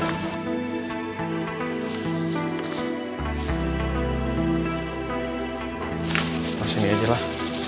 harus sini aja lah